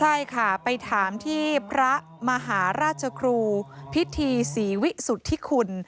ใช่ค่ะไปถามที่พระมหาราชครูพิธีศรีวิสุทธิคุณ